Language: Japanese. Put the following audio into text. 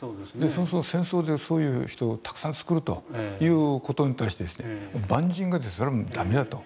そうすると戦争でそういう人をたくさんつくるという事に対して万人がそれは駄目だと。